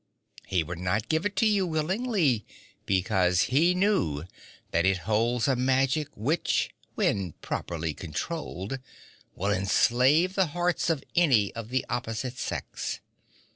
He would not give it to you willingly, because he knew that it holds a magic which, when properly controlled, will enslave the hearts of any of the opposite sex.